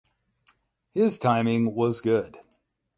His timing was good.